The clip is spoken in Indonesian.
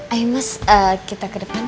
ayo mas kita ke depan yuk